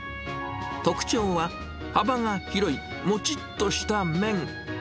特徴は、幅が広いもちっとした麺。